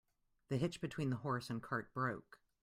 The hitch between the horse and cart broke.